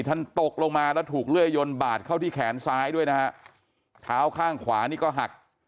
ท่านตกลงมาแล้วถูกเลื่อยยนบาดเข้าที่แขนซ้ายด้วยนะฮะเท้าข้างขวานี่ก็หัก